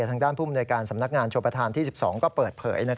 ทางด้านผู้มนวยการสำนักงานชมประธานที่๑๒ก็เปิดเผย